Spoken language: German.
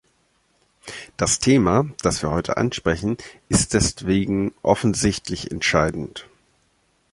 Das Thema, das wir heute ansprechen, ist deswegen offensichtlich entscheidend.